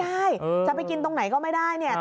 ไม่ได้จะไปกินตรงไหนก็ไม่ได้